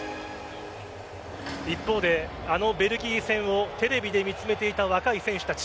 一方で、あのベルギー戦をテレビで見つめていた若い選手たち。